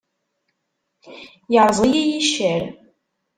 Yerreẓ-iyi yiccer.